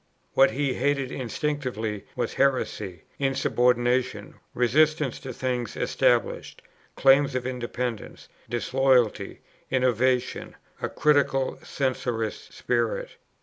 What he hated instinctively was heresy, insubordination, resistance to things established, claims of independence, disloyalty, innovation, a critical, censorious spirit.